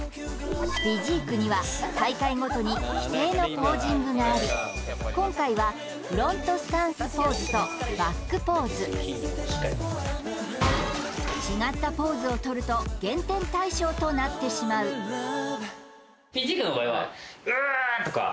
フィジークには大会ごとに規定のポージングがあり今回はフロントスタンスポーズとバックポーズ違ったポーズをとると減点対象となってしまうこれ今これをそお？